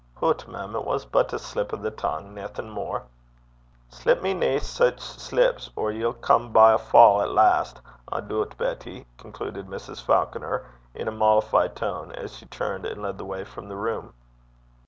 'Hoot, mem! it was but a slip o' the tongue naething mair.' 'Slip me nae sic slips, or ye'll come by a fa' at last, I doobt, Betty,' concluded Mrs. Falconer, in a mollified tone, as she turned and led the way from the room.